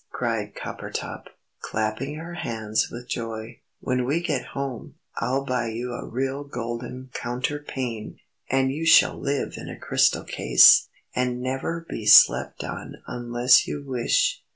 cried Coppertop, clapping her hands with joy. "When we get home, I'll buy you a real golden counterpane, and you shall live in a crystal case, and never be slept on unless you wish."